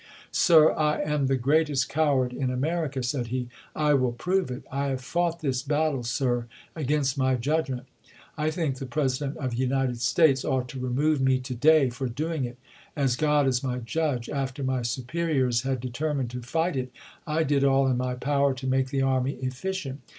" Sir, I am the gi*eat est coward in America," said he. " I will prove it. I have fought this battle, sii', against my judgment ; I think the President of the United States ought to remove me to day for doing it. As God is my judge, after my superiors had determined to fight it, I did all in my power to make the army efficient.